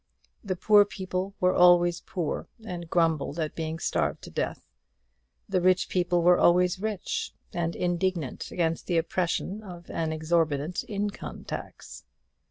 The poor people were always poor, and grumbled at being starved to death; the rich people were always rich, and indignant against the oppression of an exorbitant income tax.